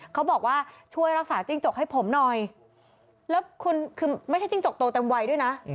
เขาบอกว่าช่วยรักษาจิ้งจกให้ผมหน่อยแล้วคุณคือไม่ใช่จิ้งจกโตเต็มวัยด้วยนะ